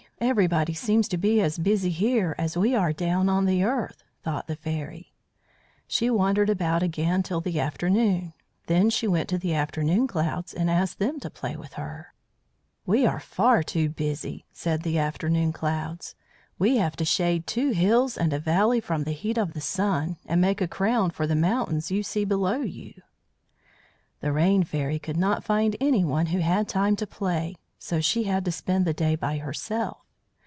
Everybody seems to be as busy here as we are down on the earth," thought the Fairy. She wandered about again till the afternoon. Then she went to the Afternoon Clouds and asked them to play with her. [Illustration: "She went to the Afternoon Clouds and asked them to play with her"] "We are far too busy," said the Afternoon Clouds. "We have to shade two hills and a valley from the heat of the Sun, and make a crown for the mountains you see below you." The Rain Fairy could not find anyone who had time to play, so she had to spend the day by herself.